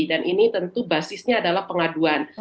dan ini tentu basisnya adalah pengaduan